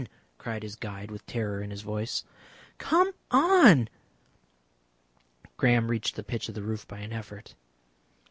cried his guide, with terror in his voice. "Come on!" Graham reached the pitch of the roof by an effort.